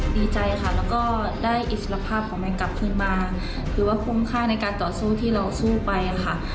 ดีใจค่ะแล้วก็ได้อิสระภาพของแมงกลับขึ้นมาคือว่าคุ้มค่าในการต่อสู้ที่เราสู้ไปค่ะ